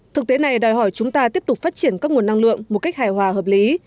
thực tế này đòi hỏi chúng ta tiếp tục phát triển các nguồn năng lượng một cách hài hòa hợp lý